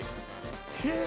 へえ。